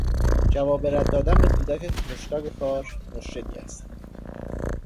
جواب رد دادن به کودک مشتاق کار مشکلی است.